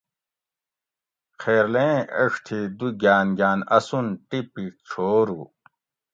خیرلیں ایڄ تی دو گان گان اسون ٹیپی چھورو